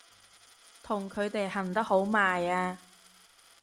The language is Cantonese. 同佢哋行得好埋啊！